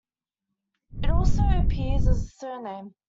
It also appears as a surname.